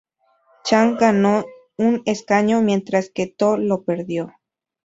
Chang ganó un escaño mientras que To lo perdió.